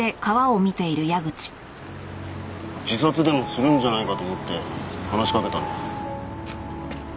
自殺でもするんじゃないかと思って話しかけたんだ。